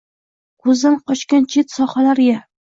Ko‘zdan qochgan chet sohalarga